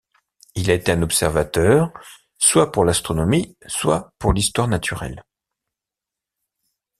Il a été un observateur, soit pour l'astronomie, soit pour l'histoire naturelle.